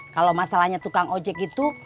kalau masalahnya tukang ojek itu